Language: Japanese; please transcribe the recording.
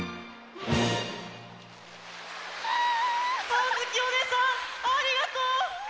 あづきおねえさんありがとう！